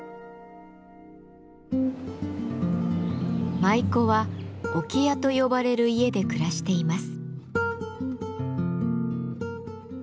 舞妓は「置屋」と呼ばれる家で暮らしています。